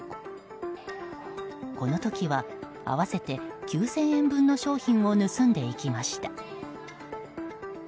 この時は合わせて９０００円分の商品を盗んでいきました。